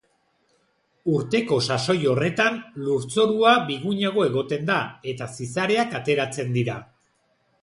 Urteko sasoi horretan, lurzorua bigunago egoten da, eta zizareak ateratzen dira.